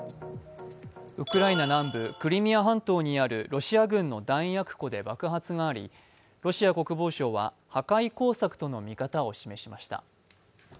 ウクライナ南部クリミア半島にあるロシア軍の弾薬庫で爆発がありロシア国防省は破壊工作との見方を示しました。